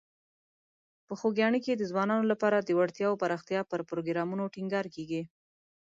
په خوږیاڼي کې د ځوانانو لپاره د وړتیاوو پراختیا پر پروګرامونو ټینګار کیږي.